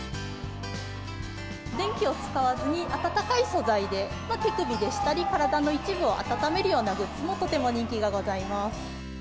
電気を使わずに、暖かい素材で手首でしたり、体の一部を温めるようなグッズも、とても人気がございます。